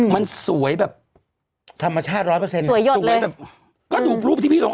มันสวยแบบธรรมชาติร้อยเปอร์เซ็นสวยถูกไหมแบบก็ดูรูปที่พี่ลง